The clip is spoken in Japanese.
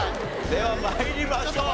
では参りましょう。